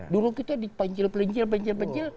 dulu kita pencil pencil pencil pencil